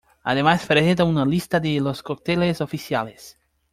Además presenta una lista de los cócteles oficiales.